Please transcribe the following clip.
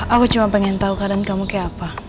aku cuma pengen tahu keadaan kamu kayak apa